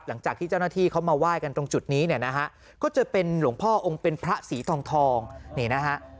หลังจากที่เจ้าหน้าที่เขามาไหว้กันตรงจุดนี้เนี่ยนะฮะก็จะเป็นหลวงพ่อองค์เป็นพระสีทองทองนี่นะฮะ